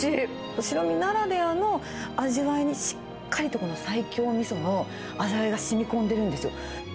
白身ならではの味わいにしっかりとこの西京みその味わいがしみこんでるんですよ。